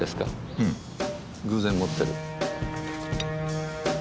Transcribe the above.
うん偶然持ってる。